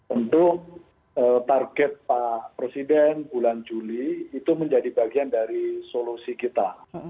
untuk target pak presiden bulan juli itu menjadi bagian dari solusi kita